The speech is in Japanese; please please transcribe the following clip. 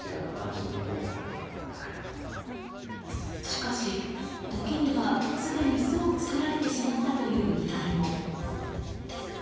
しかし、時にはすでに巣を作られてしまったという依頼も。